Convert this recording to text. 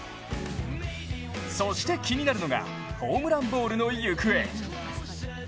そして、気になるのがホームランボールの行方。